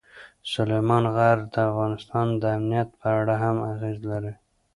سلیمان غر د افغانستان د امنیت په اړه هم اغېز لري.